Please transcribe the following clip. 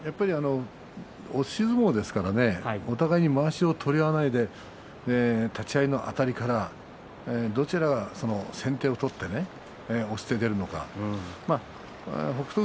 押し相撲ですからお互いにまわしを取り合わないで立ち合いのあたりからどちらが先手を取って、押して出るのか北勝